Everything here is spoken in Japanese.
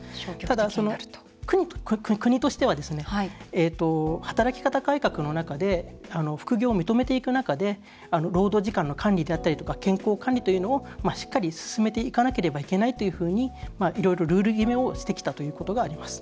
ただ、国としては働き方改革の中で副業を認めていく中で労働時間の管理、健康の管理をしっかり進めていかなければいけないというふうにいろいろルール決めをしてきたというのがあります。